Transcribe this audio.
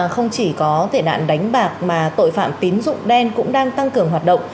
không chỉ có tệ nạn đánh bạc mà tội phạm tín dụng đen cũng đang tăng cường hoạt động